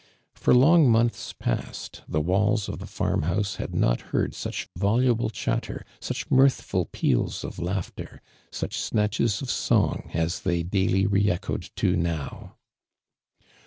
For long months past the walls of the farm house had not heard sm h voluble eliatter, such mirthful peals of laughter, >uch snatches of songas tlu y daily re echoed to now.